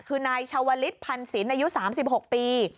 คือนายชาวลิศพันศิลป์อายุ๓๖ปี